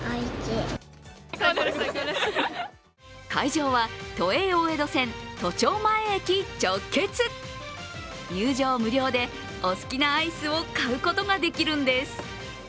会場は都営大江戸線都庁前駅直結入場無料で、お好きなアイスを買うことができるんです。